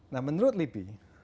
nah menurut lipi